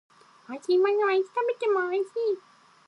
美味しいものはいつ食べても美味しい